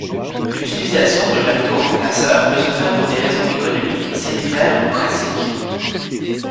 L'utilisation d'un lactoremplaceur peut se faire pour des raisons économiques, sanitaires ou pratiques.